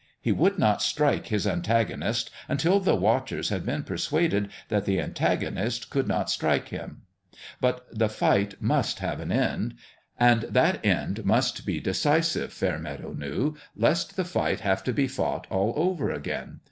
He would not strike his antagonist until the watchers had been persuaded that the antagonist could not strike him. But the fight must have an end ; and that end must be decisive, Fairmeadow knew, lest the fight have to be fought all over again.